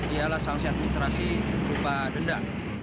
ialah sanksi administrasi berupa denda